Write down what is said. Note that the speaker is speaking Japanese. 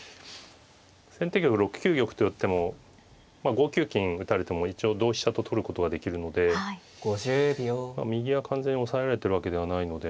先手玉６九玉と寄っても５九金打たれても一応同飛車と取ることはできるので右は完全に押さえられてるわけではないので。